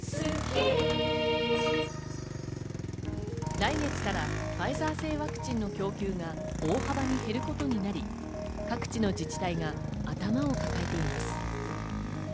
来月からファイザー製ワクチンの供給が大幅に減ることになり、各地の自治体が頭を抱えています。